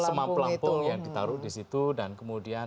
semam pelampung yang ditaruh di situ dan kemudian